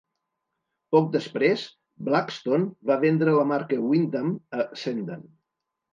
Poc després, Blackstone va vendre la marca Wyndham a Cendant.